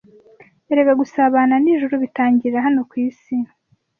Erega gusabana n’ijuru bitangirira hano ku isi!